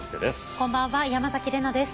こんばんは山崎怜奈です。